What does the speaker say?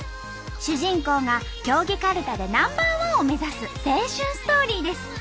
主人公が競技かるたでナンバーワンを目指す青春ストーリーです。